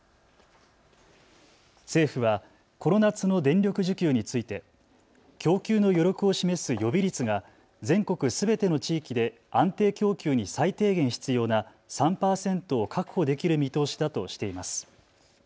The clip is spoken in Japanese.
政府はこの夏の電力需給について供給の余力を示す予備率が全国すべての地域で安定供給に最低限必要な３％を確保できる見通しだとしています。